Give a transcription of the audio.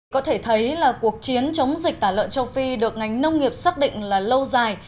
có thể thấy là cuộc chiến chống dịch tả lợn châu phi được ngành nông nghiệp xác định là lâu dài